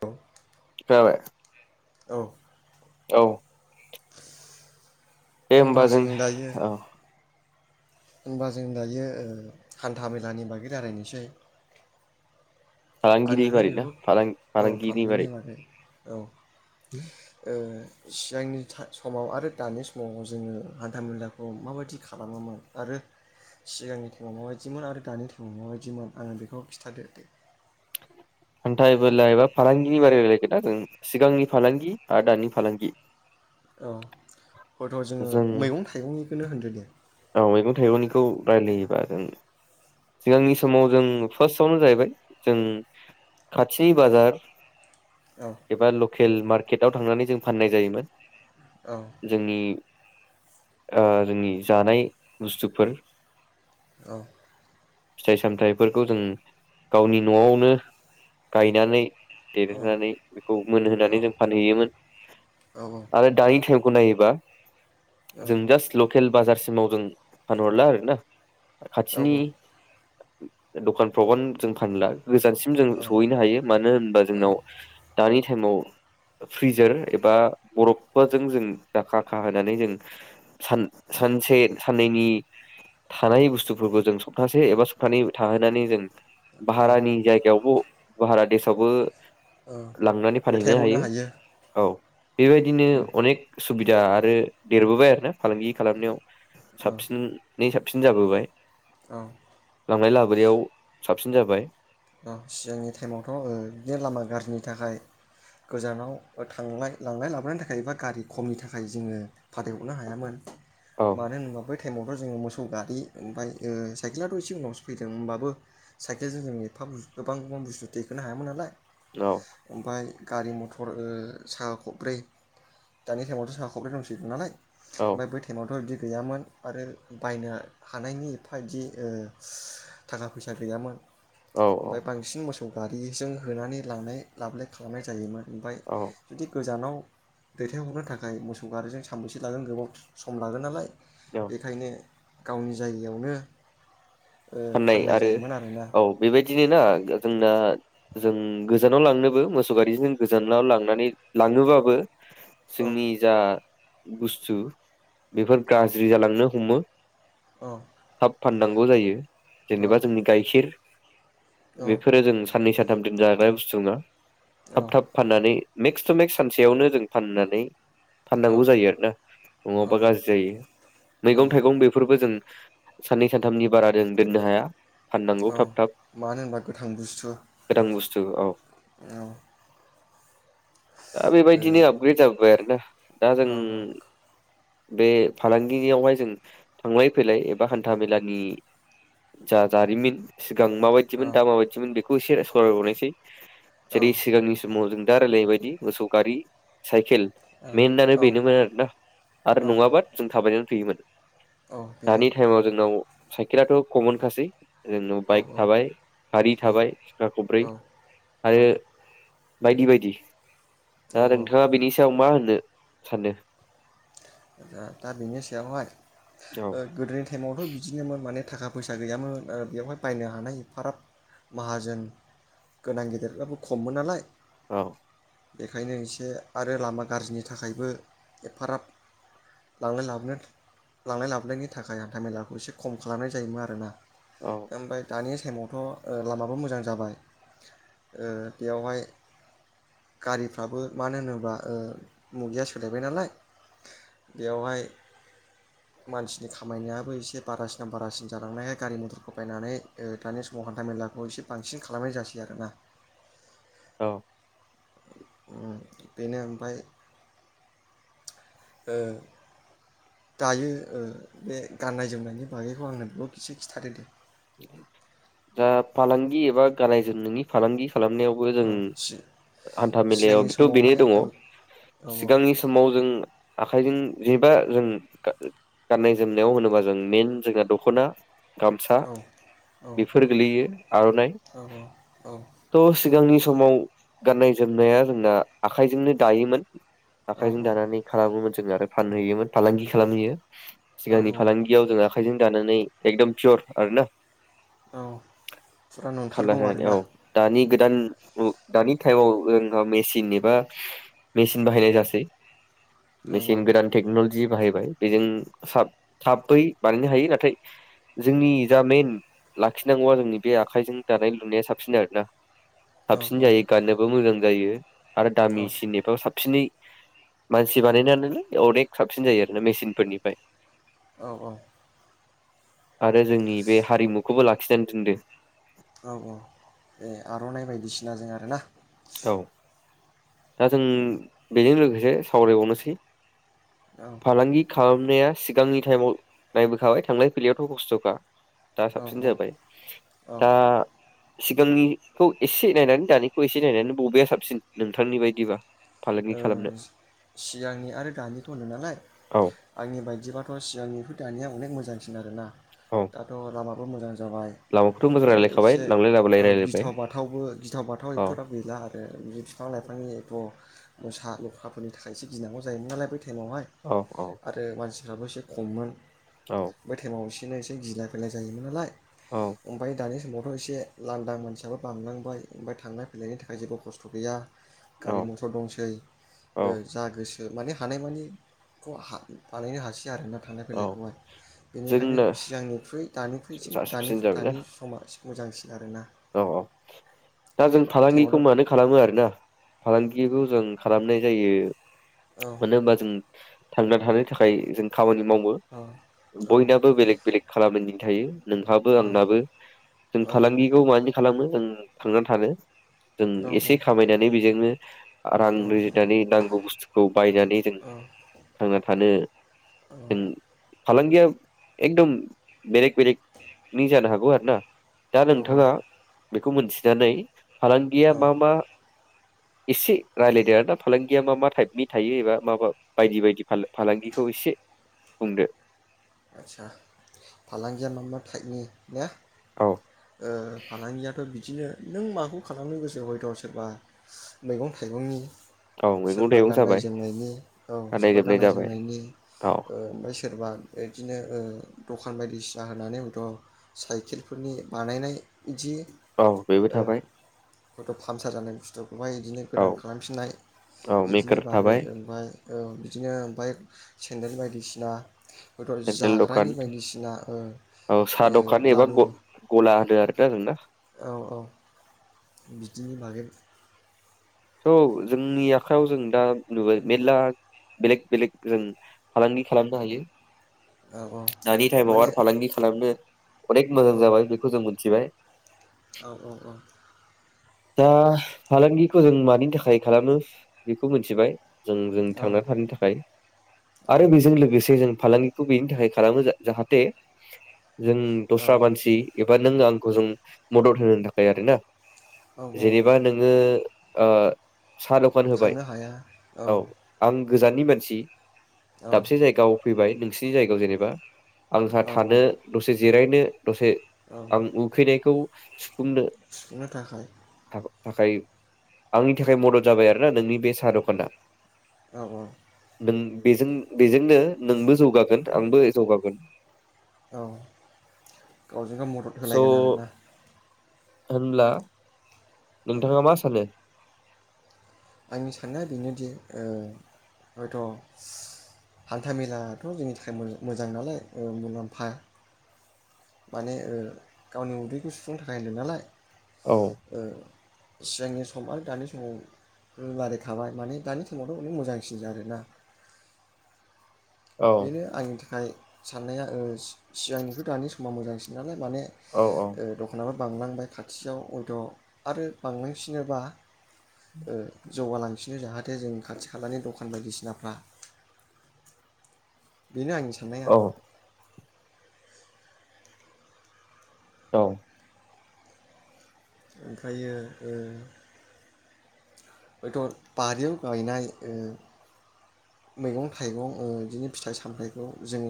द'। खोनाबाय? औ। औ। दे होनबा होमबा जों औ। होनोमबा जों दायो हान्था मेलानि बागै राय्लायनोसै। फालांगिरि आङोहाय बारै ना बेखौ फालां औ बारै फालांगिनि बागै औ ओ सिगांनि समाव आरो दानि समाव जोङो हान्था मेलाखौ माबायदि खालामोमोन आरो सिगांनि टाइमाव माबायदिमोन आरो दानि टाइमाव माबायदिमोन आंनो बेखौ खिथादो दे। हान्थाइ मेला एबा फालांगिनि बारे रायलायगोना जों सिगांनि फालांगि आरो दानि फालांगि। औ हयथ' जोङो जों मैगं थाइगं खौनो होनदो दे। औ मैगं थाइगंनिखौ रायलायोबा जों सिगांनि समाव जों फार्स्टआवनो जाहैबाय जों खाथिनि बाजार औ एबा ल' केल मार्केटाव थांनानै जों फाननाय जायोमोन। औ जोंनि ओ जोंनि जानाय बुस्थुफोर औ फिथाइ सामथाइफोरखौ जों गावनि न'आवनो गायनानै औ देरहोनानै बेखौ औ मोनहोनानै जों फानहैयोमोन औ आरो दानि टाइमखौ नायोबा औ जों जास्ट लकेल बाजारसिमाव जों फानहरला आरोना। खाथिनि औ दखानफ्रावबान जों फानला गोजानसिम जों सहैनो हायो मानो होनबा जोंनाव दानि टाइमाव फ्रिजार एबा बरफफोराजों जों दाखा खाहोनानै जों सान सानसे साननैनि थानाय बुस्थुफोरखौ जों सप्तासे एबा सप्तानैै थाहोनानै जों औ औ भाहरानि जायगायावब' बाहारा देस आवबो ओ लांनानै फानहैनो हायो औ। बेबायदिनो अनेक सुबिदा आरो देरबोबाय आरोना फालांगि खालामनायाव औ साबसिनै साबसिन जाबोबाय औ लांलाय लाबोनायाव साबसिन जाबाय। औ सिगांनि टाइमावथ' ओ बिदिनो लामा गाज्रिनि थाखाय गोजानाव थांलाय लांलाय लाबोनाय थाखाय एबा गारि खमनि थाखाय जोङो फाथायहरनो हायामोन। औ मानो होनोबा बै टाइमावथ' जोङो मोसौ गारि ओमफ्राय साइकेलाथ' एसे उनावसो फैदों होमबाबो साइकेलजों जों एफा बु गोबां गोबां बुस्थु थेखोनो हायामोन नालाय। औ ओमफाय गारि मथर ओ साहा खब्रै दानि टाइमावथ' साहा खब्रै दंसै नालाय औ ओमफ्राय बै टाइमावथ' बिदि गैयामोन आरो बायनो हानायनि एफा बिदि ओ थाखा फैसा गैयामोन। औ ओमफाय बांसिन मोस सौ गारिजों होनानै लांनाय लाबोनाय खालामनाय जायोमोन ओमफाय औ जुदि गोजानाव दैथायहरनो थाखाय मोसौ गारिजों सानबेसे लागोन गोबाव सम लागोन नालाय औ बेखायनो गावनि जायगायावनो ओ फाननाय आरो जायोमोन आरोना औ बेबायदिनो ना जोंना जों गोजानाव लांनोबो मोसौ गारिजों गोजानाव लांनानै लाङोबाबो औ जोंनि जा बुस्थु बेफोर औ गाज्रि जालांनो हमो औ थाब फान नांगौ जायो जेनेबा जोंनि गायखिर औ बेफोरो जों साननै सान थाम दोनजाग्रा बुस्थु नङा औ थाब थाब फाननानै मेक्स टु मेक्स सानसेयावनो जों फाननानै फाननांगौ जायो आरोना औ नङाबा गाज्रि जायो औ मैगं थाइगं बेफोरबो जों सान्नै सानथामनि बारा दोन दोन्नो हाया फाननांगौ औ थाब थाब मानो होनबा गोथां बुस्थु गोदान बुस्थु औ औ दा ओ बेबायदिनो आपग्रेद जाबोबाय आरो ना दा जों औ बे फालांगियावहाय जों थांलाय फैलाय एबा हान्था मेलानि जा जारिमन सिगां औ माबायदिमोन दा माबायदिमोन बे खौ एसे सावराय बावनायसै औ जेरै सिगांनि समाव जों दा रायलाय बायदि मोसौ गारि साइकेल मेन आनो औ बेनोमोन आरोना आरो औ नङाबा जों थाबायनानै फैमोन औ बेनो दानि टाइमाव जोंनाव राथ' कमन खासै जोंनाव औ बाइक थाबाय गारि औ थाबाय साखा खब्रै औ औ आरो बायदि-बायदि औ दा औ नोंथाङा बिनि सायाव मा होनो? सानो दा-दा बिनि सायावहाय औ ओ गोदोनि टाइमावथ' बिदिनोमोन माने थाखा फैसा गैयामोन आरो बेवहाय बायनो हानाय फाराब माहाजोन गोनां गेदेरफ्राबो खममोन नालाय औ बेखायनो एसे आरो लामा गारजिनि थाखायबो एफाराब लांलाय लाबोलाय लांलाय लाबलायनि थाखाय हान्थाामेलाखौ एसे खम खालामनाय जायोमोन आरोना औ ओमफाय दानि टाइमावथ'ओ लामाबो मोजां जाबाय ओ बेयावहाय गारिफ्राबो मानो होनोब्ला ओ मुगाया सोलायबाय नालाय बेवहाय मानसिनि खामायनायाबो एसे बारासिनाव बारासिन जालांनायहाय गारि मथरखौ बायनानै दानि समाव हान्था मेलाखौ एसे बांसिन खालामनाय जासै आरोना औ उम बेनो ओमफ्राय ओ दायो ओ बे गाननाय जोमनायनि बागैखौ आंनो दसे खिन्थादो दे दा फालांगि एबा गानाय जोमनायनि फालांगि खालामनायावबो जों औ सि हान्था सिगांनि मेलायावथ' बेनो समावहाय दङ औ औ सिगांनि समाव जों आखाइजों जेबा जों गा-गाननाय जोमनायाव होनोबा जों मेेन जोंना दख'ना गामसा औ औ बेफोर गोलैयो आर'नाइ औ औ ट' सिगांनि समाव गाननाय जोमनाया जोंना आखाइजोंनो दायोमोन आखाइजों दानानै खालामोमोन जों आरो फानहैयोमोन फालांगि खालामहैयो औ सिगांनि औ फालांगियाव जों आखाइजों गानानै एकदम पियर आरो ना औ फुरा नंथारगौ आरोना दान उ दानि थाइमाव जोंहा मेचन एबा मेचिन बाहायनाय जासै औ मेचिन गोदान टेकन'ल- जि बाहायबाय बेजों साब थाबै बानायनो हायो नाथाय जोंनि जा मइेन उम लाखिनांगौआ जोंनि बे आखाइजों दानाय लुनाया साबसिन आरो ना औ साबसिन जायो गाननोबो मोजां जायो आरो दामिसिननिफ्राय साबसिनै मानसि बानायनानैलाय अनेक साबसिन जायो आरोना मेचिनफोरनिफ्राय औ औ आरो जोंनि बे हारिमुखौबो लाखिनानै दोनदो औ औ ए आर'नाइ बायदिसिना जों आरो ना औ दा जों बेजोंनो लोगो जे सावरायबावनोसै औ फालांगि खालामनाया सिगांनि टाइमाव नायबोखाबाय थांलाय फैलायावथ' खस्थ'खा दा औ साबसिन औ जाबाय औ दा सिगांनिखौ एसे नायनानै दानिखौ एसे सि नायनानै बबेया साबसिन नोंथांनि बायदिबा फालांगि खालामनो एसे सि सिगांनि आरो दानिखौ होनदो नालाय औ आंनि बायदिबाथ' सिगांनिफोर दानिया अनेक मोजां आरोना औ दाथ' लामा मोजां जाबाय लामाखौथ' मोजां रायलायखाबाय एसे लांलाय लाबोलाय ओ रायलायबाय गिथाव बाथावबो गिथाव बाथाव औ एथ'ग्राब गैला आरो बि बिफां लाइफांनि एख' मोसा ल'ख्राफोरनि थाखायसो गिनांगौ जायोमोन नालाय बै टाइमावहाय औ औ आरो मानसि राबो एसे खममोन औ बै थायेमाव एसेनि एसे गिनाय फैनाय जायोमोन नालाय औ ओमफाय दानि समाव दाथ' एसे लान्दां मानसियाबो बांलांबाय ओमफाय थांलाय फैलायनि थाखाय जेबो खस्थ' गैया औ गारि मथर दंसै ओ औ जागोसो माने हानायमानिखौ हा बानायनो हासै आरो ना थांलाय औ फैलायखौ आरो बेनिखायनो जोंनो सिगांनिख्रुइ दानिखुइसिम दानि साबसिन जाबायना दानि समा मोजांसिन आरोना औ औ दा जों बै फालांगिखौ टाइमावथ' मानो खालामो आरोना फालांगि खौ जों खालामनाय जायो। औ मानो होमबा जों थांना थानो थानाय जों खामानि मावो औ औ बयनाबो बेलेग बेलेग खामानि थायो नोंहाबो औ आंनाबो जों औ फालांगि बिदि खालामो जों थांनानै थानो जों औ एसे खामायनानै बेजोंनो रां रुजिनानै नांगौ बुस्थुखौ बायनानै जों औ थांना थानो जों फालांगिया एकदम बेलेग बेेलेग निजानो हागौ आरो ना औ औ खौ मोनथिनानै फालांगिया मामा? एसे रायलायदो आरोना फालांगिया मा-मा टाइपनि थायो एबा माबा बायदि-बायदि फालांगिखौ एसे बुंदो। आचसा फालांगिया मा मा टाइपनि ने औ ओ फालांगियाथ' बिदिनो। नों माखौ खालामनो गोसोै हयट सोरबा मैगं थाइगंनि। औ मैगं सोरबा थाइगं गाननाय जाबाय जोमनायनि औ सोरबा जोमनाय गाननाय जाबाय जोमनायनि औ ओ-ओ सोरबा। बिदिनो ओ दखान बायदिसिना होनानै बाबोथ साइकेलफोरनि बानायनाय। बिदि औ बेबो ओ थाबाय हथ फामसार जानाय। बहाय बिदिनो औ गोदान खालामफिननाय औ बिदिनि मेकार बागै थाबाय ओमफाय। औ बिदिनो ओमफ्राय सेन्देल बायदिसिना। हयथ' सेन्देल जाग्रानि दखान बायदिसिना ओ औ साहा ओ दखान एबा लादु ग गला होनो आरोना नोंना। औ-औ बिदिनि बागै। थ' जोंनि आखायाव जों दा नुुबाय मेल्ला बेलेग-बेलेग जों फालांगि खालामनो हायो। औ औ दानि टाइमाव माने आरो फालांगि खालामनो अनेक औ मोजां औ जाबाय बेखौ जों मोनथिबाय। औ औ-औ। दा फलांगि। खो जों मानि थाखाय खालामो बेखौ मिथिबाय। जों-जों औ थांना थानायनि थाखाय आरो बेजों लोगोसे जों। फालांगिखौ बेनि थाखाय खालामो जाहाथे। जों औ दस्रा मानसि। बाद नों आंखौ जों मदद होनो थाखाय आरो ना। औ औ जेनेबा नोङो। आ। साहा दखान होबाय औ आं। गोजाननि मानसि। औ दाबसे जायगाव। फैबाय नोंसिनि जायगायाव जेनेबा। आंहा औ थानो दसे जिरायनो। दसे आं उखैनायखौ सुफुंनो सुफुंनो थाखाय। थाखाय आंनि थाखाय मदद जाबाय आरोना नोंनि बे साहा दखाना। औ औ। नों बेजों बेजोंनो नोंबो जौगागोन आंबो जौगागोन। औ गावजों गाव मदद होलायगोन आरोना। होनमला। औ नोंथाङा मा सानो आंनि साननाया बेनोदि हयथ' हान्थ मेलाथ' जोंनि थाखाय मोजां नालाय मुलाम्फा माने गावनि उदैखौ सुफुंनो थाखाय होनदों नालाय। औ ओ सिगांनि सम आरो दानि समाव लाराय थाबाय माने दानि समावथ' अने मोजांसिन जादो आरोना औ बेनो औ आंनि थाखाय साननाया सिगांनिखौ दानि सम'आ मोजांसिन नालाय माने औ ओ दखानाव बांलांबाय खाथियाव हयथ' आरो बांलांफिनोबा उम जौगालांफिनो जाहाथे जों खाथि खालानि दखान बायदिसिनाफ्रा बेनो आंनि साननाया औ औ ओमफ्रायो हयथ' बारियाव गायनाय ओ मैगं थाइगं बिदिनो फिथाइ सामथाइखौ जों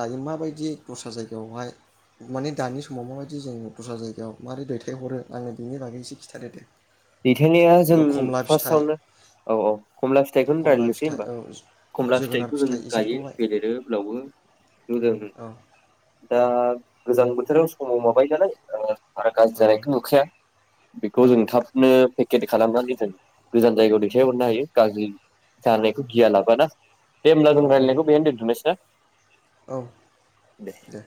दायो माबायदि दस्रा जायगायावहाय माने दानि समाव माबायदि जों दस्रा जायगायाव मारोरै दैथायहरो आङो बिनि बागै एसे खिन्थादो दे दैथायनाया जों हयथ' खमला फिथाइ फार्स्टावनो औ औ कमला फिथाइखौनो खमला रायलायनोसै फिथाइ होनबा औ खमला जोगोनार फिथाइखौ जों फिथाइ गायो इसोरखौहाय बेदेरो लावो बेखौ जों औ दा। गोजां बोथोराव समाव माबाय नालाय आरो गाज्रि औ जानायखौ नुखाया बेखौ जों थाब। औ पेकेट खालामनानै जों गोजान जायगायाव दैथायहरनो हायो। गाज्रि जानायखौ गिया लाबाना देमब्ला दों औ रायलायनायखौ औ बेनो दोनथ'नोसै औ दे